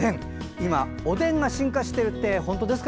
今、おでんが進化しているって本当ですか？